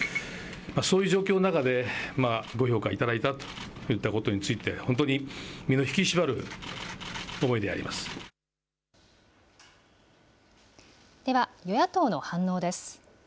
そういう状況の中で、ご評価いただいたといったことについて、本当に身の引き締まる思では、与野党の反応です。